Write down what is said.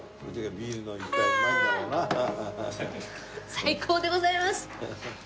最高でございます！